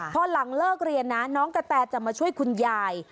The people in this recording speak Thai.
พอหลังเลิกเรียนนะน้องกะแตจะมาช่วยคุณยาย